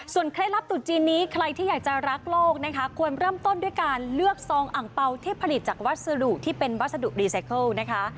เคล็ดลับตุดจีนนี้ใครที่อยากจะรักโลกนะคะควรเริ่มต้นด้วยการเลือกซองอังเปล่าที่ผลิตจากวัสดุที่เป็นวัสดุรีไซเคิลนะคะ